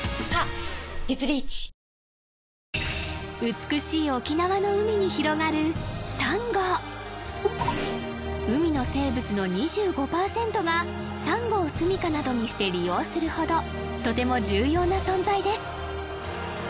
美しい沖縄の海に広がる海の生物の２５パーセントがサンゴをすみかなどにして利用するほどとても重要な存在です